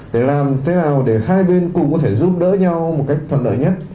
để làm thế nào để hai bên cùng có thể giúp đỡ nhau một cách toàn đời nhất